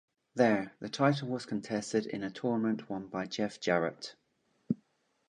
There, the title was contested in a tournament won by Jeff Jarrett.